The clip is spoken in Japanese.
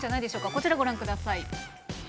こちら、ご覧ください。